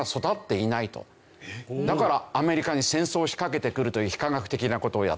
だからアメリカに戦争を仕掛けてくるという非科学的な事をやった。